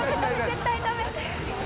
絶対ダメ！